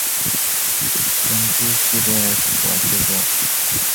魂之系列所制作。